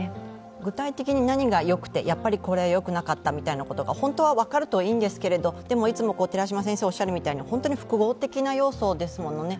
具体的に何がよくて、やっぱりこれはよくなかったというのが本当は分かるといいんですけどでも、いつも寺嶋先生おっしゃるみたいに本当に複合的な要素ですものね。